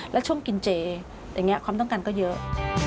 แล้วช่วงกินเจอย่างนี้ความต้องการก็เยอะ